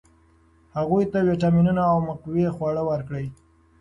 هغوی ته ویټامینونه او مقوي خواړه ورکړئ.